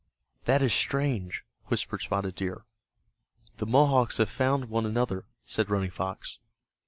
"That is strange," whispered Spotted Deer. "The Mohawks have found one another," said Running Fox.